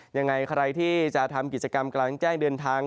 ยังไงใครที่จะทำกิจกรรมกลางแจ้งเดินทาง